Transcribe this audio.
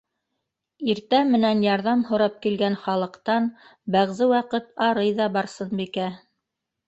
Иртә менән ярҙам һорап килгән халыҡтан бәғзе ваҡыт арый ҙа Барсынбикә.